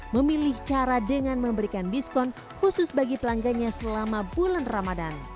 memilih cara dengan memberikan diskon khusus bagi pelanggannya selama bulan ramadan